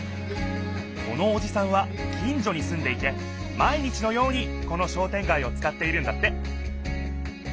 このおじさんは近所にすんでいて毎日のようにこの商店街をつかっているんだって